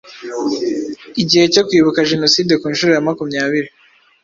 igihe cyo kwibuka jenoside ku nshuro ya makumyabiri.